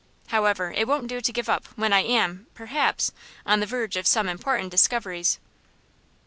However, it won't do to give up, when I am, perhaps, on the verge of some important discoveries."